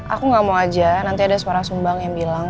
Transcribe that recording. aku gak mau aja nanti ada suara sumbang yang bilang